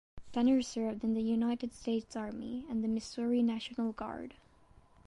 Danner served in the United States Army and the Missouri National Guard.